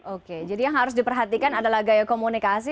oke jadi yang harus diperhatikan adalah gaya komunikasi